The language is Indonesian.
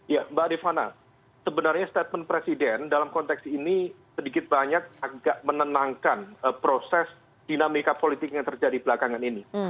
ya mbak rifana sebenarnya statement presiden dalam konteks ini sedikit banyak agak menenangkan proses dinamika politik yang terjadi belakangan ini